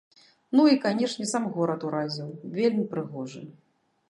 Ну і канечне, сам горад уразіў, вельмі прыгожы.